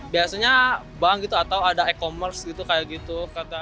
biasanya bank gitu atau ada e commerce gitu kayak gitu